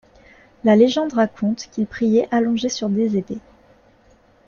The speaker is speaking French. La légende raconte qu'il priait allongé sur des épées.